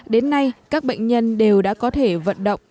đến nay các bệnh nhân đều đã có thể vận động